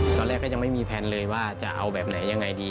ก็ยังไม่มีแพลนเลยว่าจะเอาแบบไหนยังไงดี